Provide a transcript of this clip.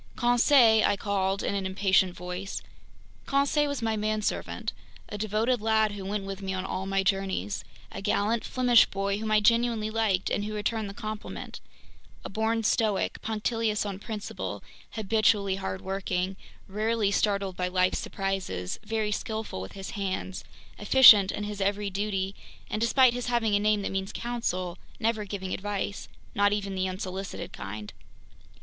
"Conseil!" I called in an impatient voice. Conseil was my manservant. A devoted lad who went with me on all my journeys; a gallant Flemish boy whom I genuinely liked and who returned the compliment; a born stoic, punctilious on principle, habitually hardworking, rarely startled by life's surprises, very skillful with his hands, efficient in his every duty, and despite his having a name that means "counsel," never giving advice—not even the unsolicited kind!